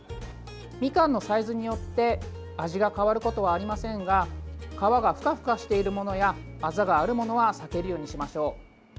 みかんのサイズによって味が変わることはありませんが皮がふかふかしているものやアザがあるものは避けるようにしましょう。